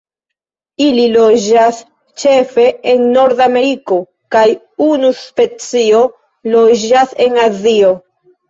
Ili loĝas ĉefe en Nordameriko kaj unu specio loĝas en Azio.